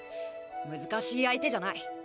難しい相手じゃない。